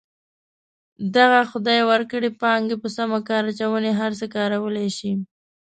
دغې خدای ورکړې پانګې په سمې کار اچونې هر څه کولی شي.